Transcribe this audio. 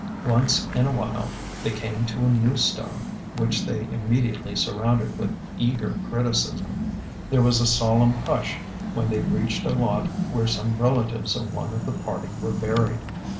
Once in a while they came to a new stone, which they immediately surrounded with eager criticism. There was a solemn hush when they reached a lot where some relatives of one of the party were buried.